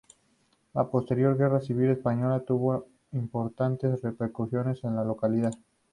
La posterior Guerra Civil Española tuvo importantes repercusiones en la localidad.